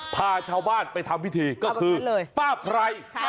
พาชาวบ้านไปทำพิธีก็คือป้าไพร